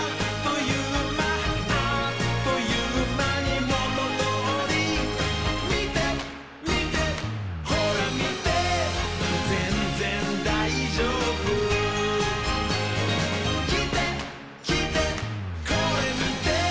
「あっというまにもとどおり」「みてみてほらみて」「ぜんぜんだいじょうぶ」「きてきてこれみて」